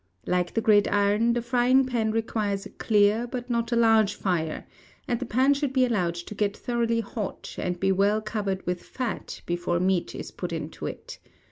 Like the Gridiron, the Frying pan requires a clear but not a large fire, and the pan should be allowed to get thoroughly hot, and be well covered with fat, before meat is put into it.